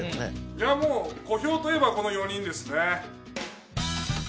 いやもう小兵といえばこの４人ですね。